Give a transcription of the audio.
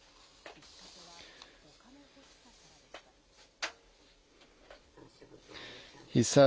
きっかけは、お金欲しさからでした。